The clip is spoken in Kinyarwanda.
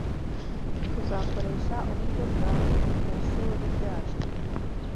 Tuzakoresha uburyo bwawe mwishuri ryacu.